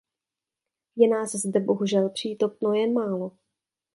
Je nás zde bohužel přítomno jen málo.